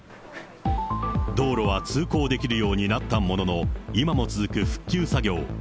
道路は通行できるようになったものの、今も続く復旧作業。